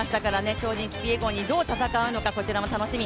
超人キピエゴンにどう戦うのかこちらも楽しみ。